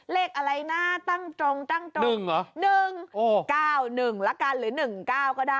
เลขอะไรนะตั้งตรงตั้งตรง๑๙๑ละกันหรือ๑๙ก็ได้